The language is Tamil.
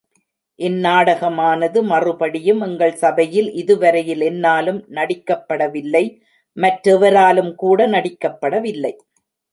இந் நாடகமானது மறுபடியும் எங்கள் சபையில் இதுவரையில் என்னாலும் நடிக்கப்பட வில்லை மற்றெவராலும்கூட நடிக்கப்படவில்லை.